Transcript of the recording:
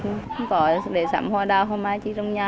không có để sắm hoa đao hoa mai chỉ trong nhà